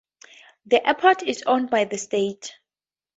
The airport is owned by the state.